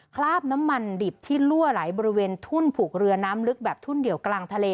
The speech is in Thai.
คราบน้ำมันดิบที่ลั่วไหลบริเวณทุ่นผูกเรือน้ำลึกแบบทุ่นเดี่ยวกลางทะเล